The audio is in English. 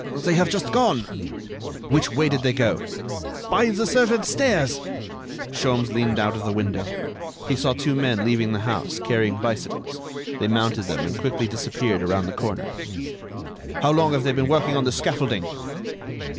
"They have just gone." "Which way did they go?" "By the servants' stairs." Sholmes leaned out of the window. He saw two men leaving the house, carrying bicycles. They mounted them and quickly disappeared around the corner. "How long have they been working on this scaffolding?"